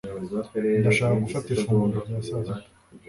ndashaka gufata ifunguro rya sasita